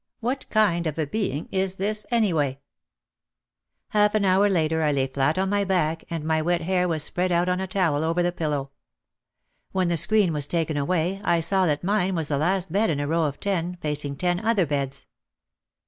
What kind of a being is this anyway ?" Half an hour later I lay flat on my back, and my wet hair was spread out on a towel over the pillow. When the screen was taken away I saw that mine was the last bed in a row of ten, facing ten other beds.